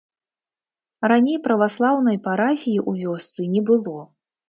Раней праваслаўнай парафіі ў вёсцы не было.